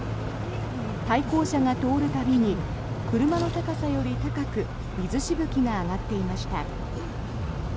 対向車が通る度に車の高さより高く水しぶきが上がっていました。